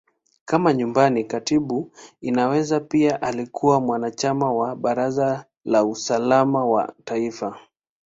Kama Nyumbani Katibu, Inaweza pia alikuwa mwanachama wa Baraza la Usalama wa Taifa.